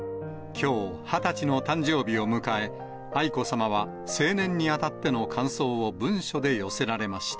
きょう、２０歳の誕生日を迎え、愛子さまは成年に当たっての感想を文書で寄せられました。